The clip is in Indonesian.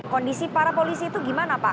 kondisi para polisi itu gimana pak